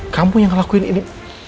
kamu yang ngelakuin ini